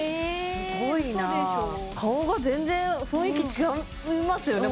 すごいな顔が全然雰囲気違いますよね